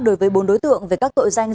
đối với bốn đối tượng về các tội danh